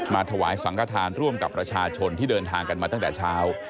ถวายสังขทานร่วมกับประชาชนที่เดินทางกันมาตั้งแต่เช้า